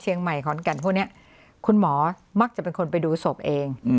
ใหม่ขอนแก่นพวกนี้คุณหมอมักจะเป็นคนไปดูศพเอง